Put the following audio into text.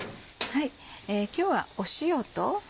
今日は塩と。